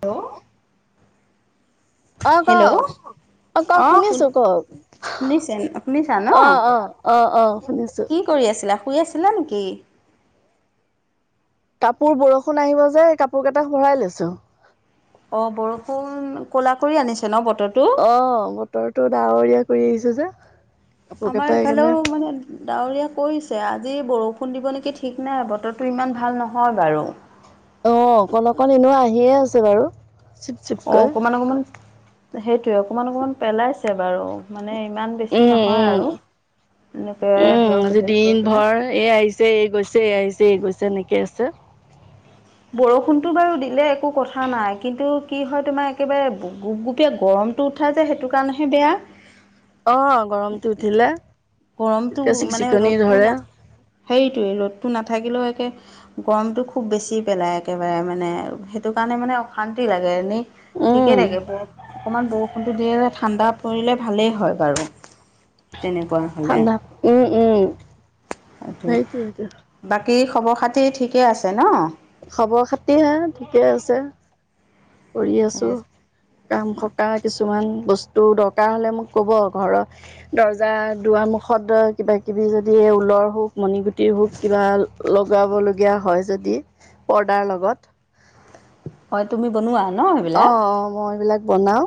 Hello অ hello কওক কওক অ শু শুনিছো কওক শুনিছে শুনিছা ন অ অ অ অ শুনিছো কি কৰি আছিলা শুই আছিলা নেকি? কাপোৰ বৰষুণ আহিব যে কাপোৰ কেইটা সোমাই লৈছো। অ বৰষুণ ক'লা কৰি আনিছে ন বতৰটো অ বতৰটো ডাৱৰীয়া কৰি আহিছে যে কাপোৰ আমাৰ কেইটা এইফালেও সেইকাৰণে মানে ডাৱৰীয়া কৰিছে আজি বৰষুণ দিব নেকি ঠিক নাই বতৰটো ইমান ভাল নহয় বাৰু। অ অকন অকন এনেয়ো আহিয়ে আছে বাৰু। অ চিপকৈ অকমান অকমান সেইটোয়ে অকমান অকমান পেলাইছে বাৰু মানে ইমান বেছি উম নহয় উম আৰু। এনেকে উম ধৰক আজি হেৰি দিন কৰি পেলাই ভৰ এই আহিছে এই গৈছে এই আহিছে এই গৈছে এনেকে আছে। বৰষুণটো বাৰু দিলে একো কথা নাই কিন্তু কি হয় তোমাৰ একেবাৰে গোপগুপীয়া গৰম টো উঠাই যে সেইটো কাৰণেহে বেয়া। অ গৰমটো উঠিলে গৰমটো তেতিয়া মানে চিকচিকনি ৰ'দটো ধৰে নাথা সেইটোয়ে ৰ'দটো নাথাকিলেও একে গৰমটো খুব বেছি পেলাই একেবাৰে মানে সেইটো কাৰণে মানে অশান্তি লাগে এনেই উম ঠিকেই থাকে ব অকনমান বৰষুণটো দিয়ে যে ঠাণ্ডা পৰিলে ভালেই হয় বাৰু। তেনেকুৱা হ'লে ঠাণ্ডা উম উম সেইটো সেইতোৱেটো বাকী খবৰ-খাতি ঠিকে আছে ন খবৰ-খাতি আ ঠিকে আছে। কৰি আছো কাম খকা কিছুমান বস্তু দৰকাৰ হ'লে মোক ক'ব ঘৰ দৰ্জা দুৱাৰমুখত ধৰ, কিবা-কিবি যদি ঊলৰ হওক, মণিগুটিৰ হওক কিবা লগাবলগীয়া হয় যদি পৰ্দাৰ লগত হয় তুমি বনোৱা ন অ সেইবিলাক অ মই এইবিলাক বনাও।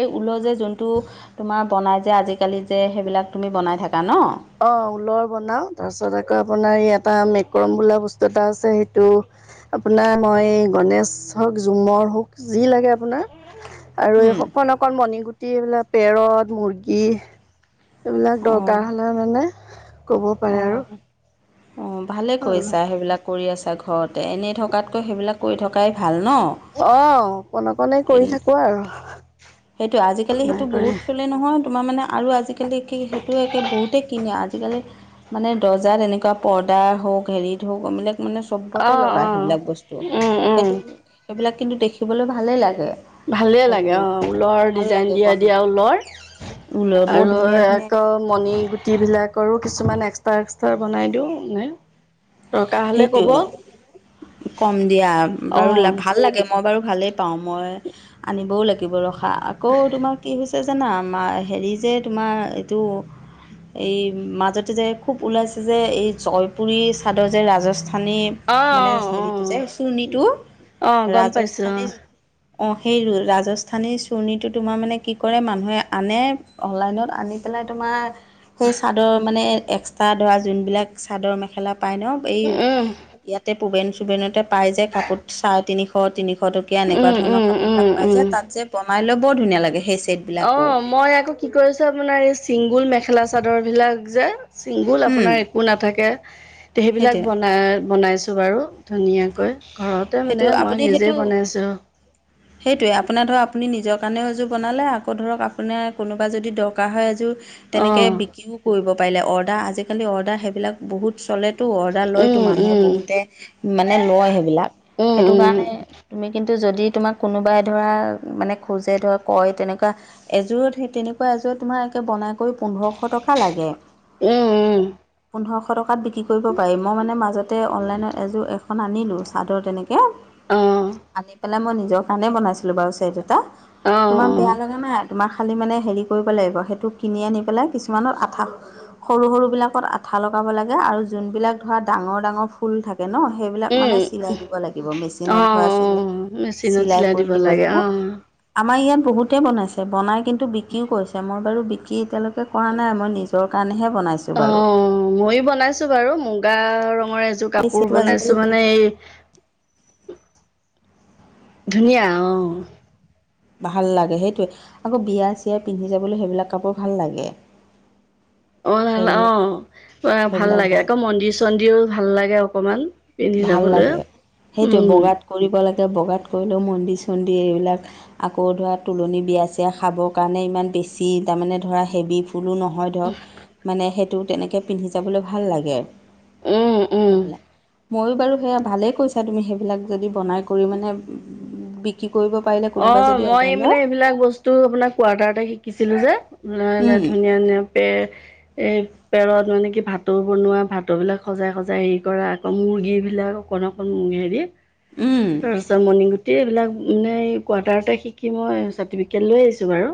এই ঊল' যে যোনটো তোমাৰ বনাই যে আজি-কালি যে সেইবিলাক তুমি বনাই থাকা ন অ ঊলৰ বনাও তাৰপিছত আকৌ আপোনাৰ এটা মেক্ৰম বোলা বস্তু এটা আছে সেইটো আপোনাৰ মই গণেশ হওক, ঝুমৰ হওক যি লাগে আপোনাৰ আৰু এই অকণ অক মণিগুটি এইবিলাক পেৰদ, মুৰ্গী এইবিলাক অঁ দৰকাৰ এ ক'ব পাৰে আৰু। অ ভালে কৰিছা সেইবিলাক। কৰি আছা ঘৰতে এনেই থকাতকৈ সেইবিলাক কৰি থকাই ভাল ন অ, অকণ অকণেই কৰি থাকো আৰু। সেইটোৱে, আজিকালি নাই সেইটো কৰে বহুত চলে নহয়? তোমাৰমানে আৰু আজিকালি কি সেইটোৱে একে বহুতেই কিনে, আজিকালি মানে দৰ্জাত এনেকুৱা পৰ্দাৰ হওক, হেৰিত হওক মানে অ চবতে অ লগাই সেইবিলাক বস্তু, উম উম সেইটো সেইবিলাক কিন্তু দেখিবলৈ ভালেই লাগে। ভালেই সেইটো লাগে অ ঊলৰ ভাল ডিজাইন লাগে দিয়া বনাই দিয়া ঊলৰ, ঊলৰ বৰ আৰু ধুনীয়া ধুনীয়া আকৌ মণি গুটি বিলাকৰো আৰু কিছুমান এক্সট্ৰা, এক্সট্ৰা বনাই দিও নে? দৰকাৰ হ'লে ক'ব অ সেইটোয়ে, কম দিয়া অ বাৰু ভাল লাগে। মই বাৰু ভালেই পাওঁ, মই আনিবও লাগিব ৰখা, আকৌ তোমাৰ কি হৈছে জানা? হেৰি যে তোমাৰ এইটো এই মাজতে যে খুব ওলাইছে যে এই জয়পুৰি চাদৰ যে ৰাজস্থানী অ মানে অ হেৰিটো যে চুৰনিটো, অ গম পাইছো ৰাজস্থানী অ', সেই ৰাজস্থানী চুৰৰ্ণিটো তোমাৰ মানে কি কৰে মানুহে আনে। অনলাইনত আনি পেলাই তোমাৰ সেই চাদৰ মানে এক্সট্ৰা ধৰা, যোনবিলাক চাদৰ মেখেলা পায় ন। এই অ ইয়াতে পোবেন চোবেনতে পাই যায় কাপোৰত চাৰে তিনিশ, তিনিশ কে এনেকুৱা উম ধৰণৰ উম উম কাপোৰবিলাক উম পাই যে, উম তাত যে বনাইলৈ বৰ ধুনীয়া লাগে। সেই চেট অ', মই আকৌ কি কৰিছো, আপোনাৰ এই চিংগুল মেখেলা চাদৰ বিলাক যে ছিংগুল উম আপোনাৰ একো নাথাকে, সেইটোৱে সেইবিলাক বনাই বনাইছোঁ বাৰু। ধুনীয়াকৈ ঘৰতে সেইটো মানে আপুনি মই নিজেই সেইটো বনাইছোঁ। [inaudible] সেইটোৱে আপোনাৰ ধৰক আপুনি নিজৰ কাৰণেও এযোৰ বনালে, আকৌ ধৰক আপোনাৰ কোনোবা যদি দৰকাৰ হয় এযোৰ তেনেকে অ' বিক্ৰীও কৰিব পাৰিলে, অৰ্ডাৰ আজিকালি অৰ্ডাৰ সেইবিলাক বহুত চলে টো অৰ্ডাৰ লয়তো উম মানুহে উম বহুতে মানে লয়, সেইবিলাক উম সেইটো উম কাৰণে তুমি কিন্তু যদি তোমাক কোনোবাই ধৰা মানে, খোজে ধৰা কয় তেনেকুৱা এযোৰত সেই তেনেকুৱা এযোৰত তোমাৰ একে বনাই কৰি পোন্ধৰশ টকা লাগে। উম, উম। পোন্ধৰশ টকাত বি কি কৰিব পাৰি, মই মানে মাজতে অনলাইনত এযোৰ এখন আনিলোঁ, চাদৰ অ' আনি পেলাই মই নিজৰ কাৰণেই বনাইছিলোঁ বাৰু চেট এটা। অ' তোমাক বেয়া লগা নাই? তোমা খালী মানে হেৰি কৰিব লাগিব, সেইটো কিনি আনি পেলাই কিছুমানৰ আঠা সৰু সৰু বিলাকত আঠা লগাব লাগে, আৰু যোনবিলাক ধৰা ডাঙৰ ডাঙৰ ফুল থাকে থাকে ন, সেইবিলাক মানে উম চিলাই দিয়ে। লাগিব, মেচিনত অ' চিলা অ' মেচিনত চিলাই কৰি দিব লাগে লাগিব। অ' আমাৰ ইয়াত বহুতেই বনাইছে, বনাই কিন্তু বিক্ৰীও কৰিছে, মই বাৰু বিক্ৰী এতিয়ালৈকে কৰা নাই,। মই নিজ ৰ কাৰণেহে বনাইছো। অ', ময়ো বনাইছো বাৰু, মুগা ৰঙৰ এযোৰ কাপোৰ সেইটো আজিকালি বনাইছো মানে দেখিবলৈ এই ধুনীয়া অহ। ভাল লাগে সেইটোৱেই, আকৌ বিয়াই চিয়াই পিন্ধি যাবলৈ সেইবিলাক কাপোৰ ভাল লাগে। অ', সেইবিলাক অ', ভাল লাগে, আকৌ মন্দিৰ চন্দিৰো ভাল লাগে অকমান। পিন্ধি ভাল যাবলৈ। লাগে সেইটোৱে উম। বগাত কৰিব লাগে, বগাত কৰিলেও মন্দিৰ চন্দিৰ এইবিলাক আকৌ ধৰা তোলনি বিয়া চিয়া খাবৰ কাৰণে ইমান বেছি তাৰমানে ধৰা হেভি কোনো নহয় ধৰক, মানে সেইটো তেনেকৈ পিন্ধি যাবলৈ ভাল লাগে। উম উম সেইবিলাক। ময়ো বাৰু সেইয়া ভালেই কৈছা তুমি, সেইবিলাক যদি বনাই কৰি মানে বি ক্ৰী কৰিব পাৰিলে, অ কোনোবাই যদি মই অৰ্ডাৰ মানে লয়। এইবিলাক বস্ টো আপোনাৰ কোৱাৰ্টাৰতে শিকিছিলো যে, এ এনেকে উম ধুনীয়া ধুনীয়াকে এই। পেৰত মানে কি ভাটৌ বনোৱা, ভাটৌ বিলাক সজাই সজাই হেৰি কৰা, আকৌ মুৰ্গী বিলাক অকণ অক কণ হেৰি উম তাৰপাছত মণি গুটি এইবিলাক মানে কোৱাৰ্টাৰতে শিকি মই চাৰ্টিফিকেট লৈ আহিছোঁ বাৰু,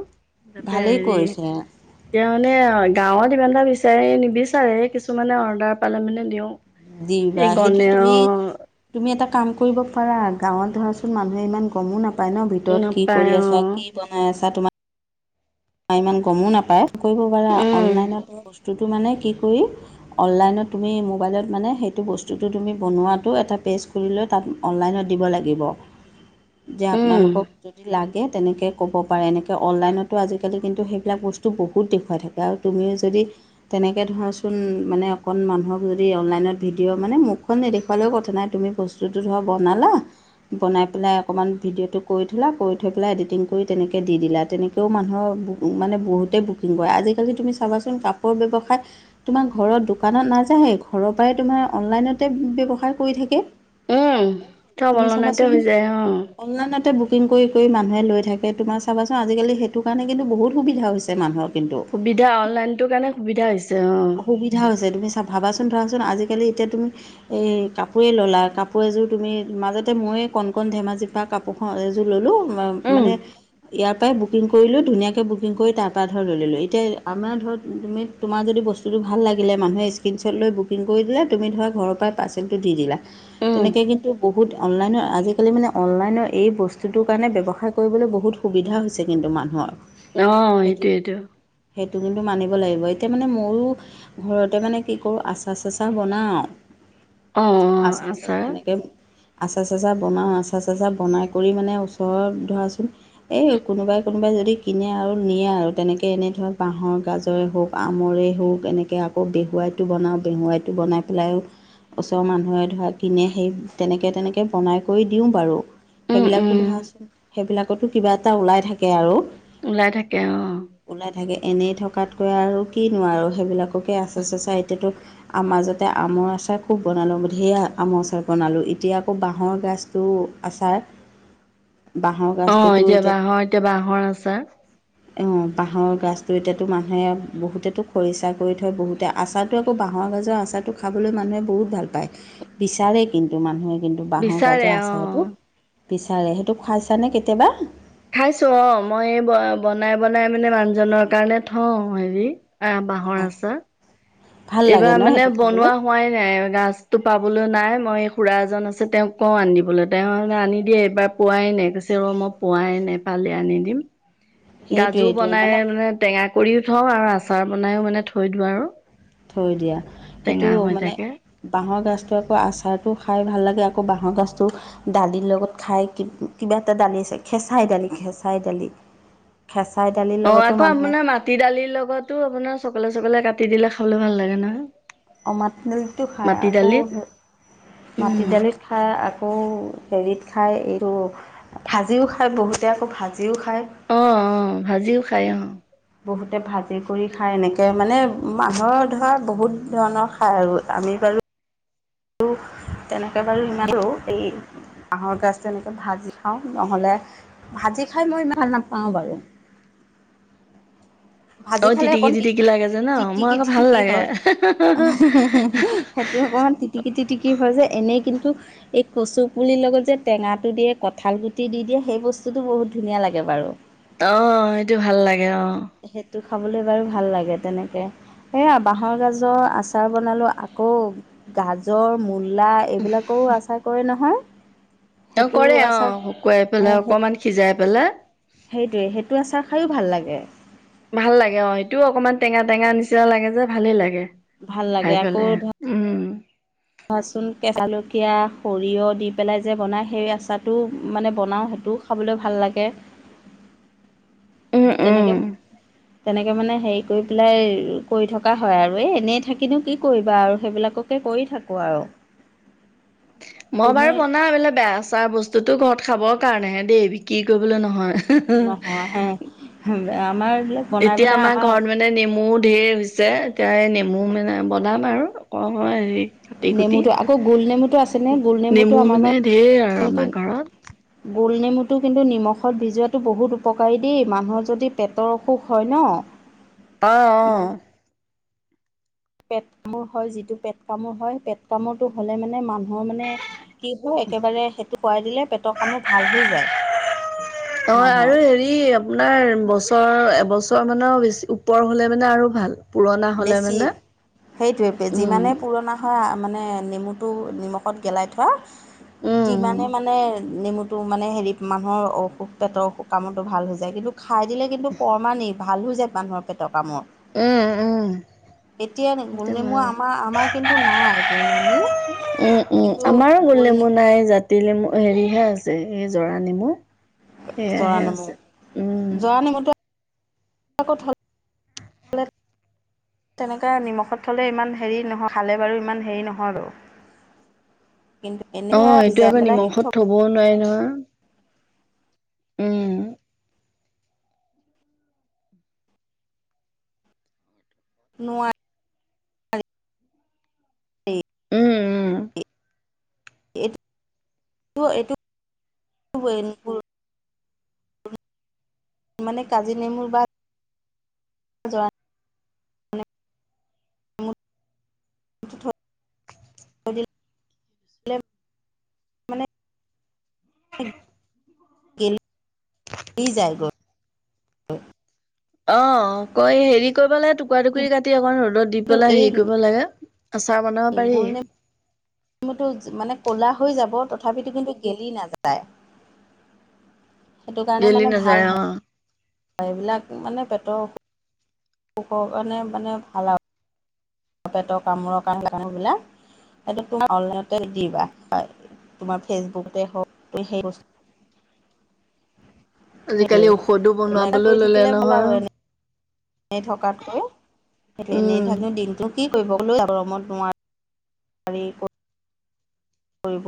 তাতে ভালেই হেৰি কৰিছে তেতিয়া মানে গাঁৱত ইমান এটা বিচাৰি নিবিচাৰে, কিছুমানে অৰ্ডাৰ পালে মানে দিওঁ। দিবা সেইটো তুমি [unintelligible] তুমি এটা কাম কৰিব পাৰা, গাঁৱত ধৰাচোন মানুহে ইমান গমো না পাই ন, ভিতৰত কি নাপায় কৰি অ আছা কি বনাই আছা তোমাৰ ইমান গমো নাপায় কৰিব পাৰা, উম অনলাইনত বস্তুটো মানে কি কৰি অনলাইনত তুমি মোবাইলত মানে সেইটো বস্তুটো তুমি বনোৱাটো এটা পেজ খুলিলৈ তাত অনলাইনত দিব লাগিব। যে উম আপোনালোকক যদি লাগে, তেনেকে ক'ব পাৰে। এনেকৈ অনলাইনটো আজিকালি আজিকালি কিন্তু সেইবিলাক বস্তু বহুত দেখুৱাই থাকে আৰু তুমিও যদি তেনেকৈ ধৰাচোন মানে অকণ মানুহক যদি অনলাইনত ভিডিঅ' মানে মুখখন নেদখুৱালেও কথা নাই তুমি ব স্তুটো ধৰা বনালা। বনাই পেলাই অকণমান ভিডিঅ'টো কৰি থোলা কৰি থৈ পেলাই এডিটিং কৰি তেনেকৈ দি দিলা তেনেকৈও মানুহক বুক মানে বহুতেই বুকিং কৰে। আজিকালি তুমি চাবাচোন কাপোৰ ব্যৱসায় তোমাৰ ঘৰৰ দোকানত নাযায়া ঘৰৰ পৰাই তোমাৰ অনলাইনতে ব্যৱসায় কৰি থাকে। উম, চব তুমি অনলাইনতে চাবাচোন হৈ যায় উম। অনলাইনতে বুকিং কৰি কৰি মানুহে লৈ থাকে, তোমা চাবাচোন আজিকালি সেইটো কাৰণে কিন্তু বহুত সুবিধা হৈছে মানুহৰ কিন্তু সুবিধা অনলাইনটোৰ কাৰণে সুবিধা হৈছে উম। সুবিধা হৈছে তুমি চা ভাবাচোন, ধৰাচোন, আজিকালি এতিয়া তুমি এই কাপোৰেই ল'লা, কাপোৰ এযোৰ তুমি মাজতে ময়েই কণ কণ ধেমাজি বা কাপোৰখন এযোৰ ল'লো, ম উম মানে ইয়াৰ পৰাই বুকিং কৰিলো, ধুনীয়াকৈ বুকিং কৰি তাৰপৰা ধৰ লৈ ল'লোঁ, এতিয়া আমাৰ ধৰক, তুমি তোমাৰ যদি বস্তু বস্তুটো ভাল লাগিলে মানুহে স্ক্ৰীণশ্বট লৈ বুকিং কৰি দিলে তুমি ধৰা ঘৰৰ পৰাই পাৰ্চেলটো দি দিলা। উম তেনেকে কিন্তু বহুত অনলাইনৰ আজিকালি মানে অনলাইনৰ এই বস্তুটোৰ কাৰণে ব্যৱসায় কৰিবলৈ বহুত সুবিধা হৈছে কিন্তু মানুহৰ। অঁ সেইটো সেইটোয়েটো সেইটো কিন্তু মানিব লাগিব এতিয়া মানে মোৰো ঘৰতে মানে কি কৰোঁ আছে। আচাৰ চাচা বনাওঁ অ অ আচাৰ চা এনেকে আচাৰ চাচা বনাওঁ, আচাৰ চেচা বনাই কৰি মানে ওচৰৰত ধৰাচোন এই কোনোবাই কোনোবাই যদি কিনে আৰু নিয়ে আৰু তেনেকে এনেই ধৰক বাঁহৰ গাজৰ এইবোৰ। আমৰেই হওক এনেকৈ আকৌ বেহুৱাইটো বনাওঁ বেহুৱাইটো বনাই পেলাই ওচৰৰ মানুহে ধৰা কিনে সেই তেনেকৈ তেনেকৈ বনাই কৰি দিওঁ বাৰু। উম উম সেইবিলাকো ধৰাচোন সেইবিলাকতো কিবা এটা ওলাই থাকে আৰু। ওলাই থাকে অঁ। ওলাই থাকে এনেই থকাতকৈ আৰু কি নো আৰু সেইবিলাককে আছে চাচা এতিয়াটো মাজতে আমৰ আচাৰ খুব বনালোঁ ধেইৰ আমৰ আচাৰ বনালোঁ এতিয়া আকৌ বাঁহৰ গাজ উম আচাৰ বাহৰ অ গছটোতো এতিয়া বাঁহৰ বাঁহৰ আচাৰ অ বাঁহৰ গছটো এতিয়াতো মানুহে বহুতেতো খৰিচা কৰি থয় বহুতে আচাৰটো আকৌ বাঁহৰ গাজৰ আচাৰটো খাবলৈ মানুহে বহুত ভাল পায়। বিচাৰে কিন্তু মানুহে কিন্তু বাঁহৰ বিচাৰে গাজৰ আচাৰটো অ বিচাৰে সেইটো খুৱাইছানে কেতিয়াবা খাইছো অ মই এই ব বনাই বনাই মানে মানুহজনৰ কাৰণে থওঁ হেৰি আহ বাঁহৰ আচাৰ ভাল লাগে এইবাৰ ন মানে সেইটো খাবলৈ বনোৱা খোৱাই নাই গছতটো পাবলৈ নাই মই খুৰা এজন আছে তেওঁক কওঁ আন দিবলৈ তেওঁ হলে আনি দিয়ে এইবাৰ পোৱাই নাই কৈছে অ মই পোৱাই নাই পালে আনি দিম [inaudible] গাজো বনাই মানে টেঙা কৰিও থওঁ আৰু আচাৰ বনাইও মানে থৈ দিওঁ আৰু থৈ দিয়া সেইটো টেঙা হৈ মানে থাকে বাঁহৰ গাজটো আকৌ আচাৰটো খাই ভাল লাগে আকৌ বাঁহৰ গাজটো দালিৰ লগত খাই কিবা এটা দালি আছে খেঁচাই দালি খেঁচাই দালি খেঁচাই দালিৰ অ লগতো আকৌ মানুহে আপোনাৰ মাটি দালিৰ লগতো আপোনাৰ চকলে চকলে কাটি দিলে খাবলৈ ভাল লাগে নহয়। অ মাটি দালিটো খাই মাটি আকৌ দালিত মাটি উম দালিত খাই আকৌ হেৰিত খায় এইটো ভাজিও খায় বহুতে আকৌ ভাজিও খায়। অ অ ভাজিও খাই অ বহুতে ভাজি কৰি খাই এনেকে মানে মানুহৰ ধৰা বহুত ধৰণৰ খায় আৰু আমি বাৰু তেনেকৈ বাৰু সিমানো এই বাঁহৰ গাজটো তেনেকে ভাজি খাওঁ নহলে ভাজি খাই মই ইমান ভাল নাপাওঁ বাৰু অ ভাজি খালে তিটিকি অকণ লাগে যে ন মই তিটিকি আকৌ ভাল তিটিকি লাগে হয় সেইটো অকমান তিটিকি তিটিকি হয় যে এনেই কিন্তু এই কচু পুলিৰ লগত যে টেঙাটো দিয়ে কঁঠাল গুটি দি দিয়ে সেই বস্তুটো বহুত ধুনীয়া লাগে বাৰু অ সেইটো ভাল লাগে অ। সেইটো খাবলে বাৰু ভাল লাগে তেনেকে এয়া বাঁহৰ গাজৰ আচাৰ বনালো আকৌ গাজৰ মূলা এইবিলাকৰো আচাৰ কৰে নহয় অ সেইটো কৰে অ আচাৰ শুকুৱাই অঁ পেলাই সেই অকমান সিজাই পেলাই। সেইটোৱে সেইটো আচাৰ খায়ো ভাল লাগে। ভাল লাগে অ সটোও অকণমান টেঙা টেঙা নিচিনা লাগে যে ভালেই লাগে। ভাল খাই পেলায় উম ৰচোন কেঁচলকীয়া সৰিয়হ দি পেলাই যে বনায় সেই আচাৰটো মানে বনাওঁ সেইটো খাবলৈ ভাল লাগে উম উম তেনেকে তেনেকে, মানে হেৰি কৰি পেলাই কৰি থকা হয় আৰু এই এনেই থাকিনো কি কৰিবা আৰু সেইবিলাককে কৰি থাক কৰো আৰু মই তুমি বাৰু বনাও এইবিলাক বেয়া চেয়া বস্তুতো ঘৰত খাবৰ কাৰণে হে দেই বিক্ৰী কৰিবলৈ নহয়। নহয় হে আমাৰ বিলাক এতিয়া আমাৰ ঘৰত মানে নেমু ধেৰ হৈছে এতিয়া এই নেমু মানে বনাম আৰু অ হেৰি কাটি কুটি নেমুটো আকৌ গোল নেমুটো আছেনে গোল নেমুটো নেমু আমাৰ মানে ঢেৰ আৰু বাৰু আমাৰ ঘৰত গোল নমুটো কিন্তু নিমখত ভিজোৱাতটো বহুত উপকাৰী দেই মানুহৰ যদি পেটৰ অসুখ হয় ন [inaudible] অ', অ' মানে পেট কামোৰ হয়, যিটো পেট কামোৰ হয় পেট কামোৰটো হ'লে মানে মানুহ মই মানে কি হয় একেবাৰে সেইটো কৰাই দিলে পেটৰ কামো ভাল হৈ যায়। অ', আৰু মানুহৰ হেৰি ই আপোনাৰ বছৰ এবছৰ মানৰ বেছি ওপৰ হলে মানে আৰু ভাল। পুৰণা হলে বেছি মানে সেইটোৱেইে উম যিমানে পুৰণা মানে নেমুটো নিমখত গেলাই থোৱা উম যিমানে মানে নেমুটো মানে হেৰি মানুহৰ অসুখ পেটৰ অসুখ কামটো ভাল হৈ যায় কিন্তু খাই দিলে কিন্তু পৰমানি ভাল হৈ যায় মানুহৰ পেটৰ কামোৰ। উম, উম। এতিয়া গোল সেইটো নেমু ভাল আমাৰ আমাৰ কিন্তু নাই গোলনেমু উম, উম, আমাৰো গোল নেমু নাই তি নেমু হেৰিহে আছে এই জৰা নেমু, জৰা সেয়াহে নেমু আছে। জৰা নেমুটো [inaudible] তেনেকে নিমখত থলে ইমান হেৰি নহয়, খালে বাৰু ইমান হেৰি নহয় বাৰু কিন্তু এনেই ধৰা অ' সেইটো ভিজাই আকৌ পেলাই হেৰি কৰি নিমখত থ'ব থবও নোৱাৰি নহয়, উম নোৱাৰি। উম উম এইটো [unintelligible] মানে কাজি নেমুৰ বা জৰা নেমুটো থৈ দিলে মানে গেলি যায় গৈ। অ', কৈ হেৰি কৰিব লাগে টুকুৰা টুকুৰি কাটি অকমান ৰ'দত দি পেলাই হেৰি কৰিব লাগে আচাৰ বনাব পাৰি গোলনেমু নেমুটো মানে ক'লা হৈ যাব তথাপিতো কিন্তু গেলি নাযায়। সেইটো কাৰণে গেলি মানে ভাল নাযায় হয় অ'। এইবিলাক মানে পেটৰ পোকৰ কাৰণে মানে ভাল আৰু। পেটৰ কামোৰৰ কাৰণে এইবিলাক। সেইটো তোমাৰ অনলাইনতে দিবা হয় তোমাৰ ফেচবুকে হওক সেইটোৱে আজিকালি ঔষধো এইবিলাক বনাবলৈ কৰি ললে থাকিলে ভাল আৰু নহয়। এনেই থকাতকৈ এনেই উম থাকি দিনটো কি কৰিব গ গৰমত নোৱাৰ [unintelligible] [inaudible] কৰিব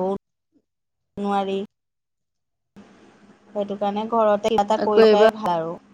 নোৱাৰি,, সেইটো কাৰণে ঘৰতে কিবা এটা আকৌ কৰি এইবাৰ থকাই ভাল আৰু।